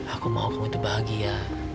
aku mau kamu itu bahagia